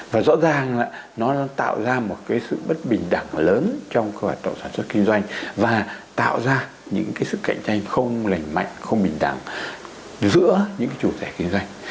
và rõ ràng là nó tạo ra một cái sự bất bình đẳng lớn trong cái hoạt động sản xuất kinh doanh và tạo ra những cái sức cạnh tranh không lành mạnh không bình đẳng giữa những chủ thể kinh doanh